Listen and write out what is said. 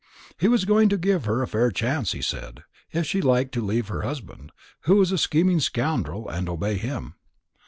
He was going to give her a fair chance, he said, if she liked to leave her husband, who was a scheming scoundrel, and obey him.